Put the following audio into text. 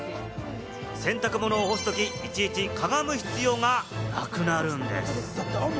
洗濯物を干すとき、いちいちかがむ必要がなくなるんです！